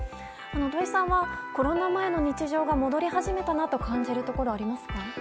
土井さんは、コロナ前の日常が戻り始めたと感じるところありますか？